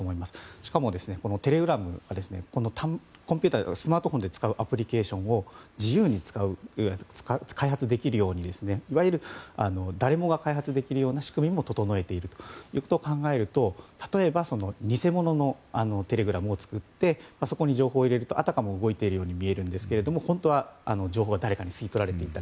しかも、テレグラムはコンピューターじゃなくてスマートフォンで使うアプリケーションを自由に開発できるようにいわゆる誰もが開発できるような仕組みも整えているということを考えると例えば偽物のテレグラムを作ってそこに情報を入れるとあたかも動いているように見えるんですけど本当は情報が誰かに吸い取られていたり。